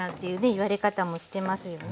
言われ方もしてますよね。